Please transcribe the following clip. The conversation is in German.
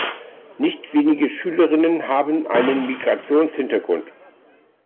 Nicht wenige Schülerinnen haben einen Migrationshintergrund.